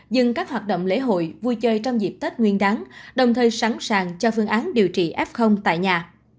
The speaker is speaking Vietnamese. dừng các hoạt động lễ hội vui chơi trong dịp tết nguyên đáng đồng thời sẵn sàng cho phương án điều trị f tại nhà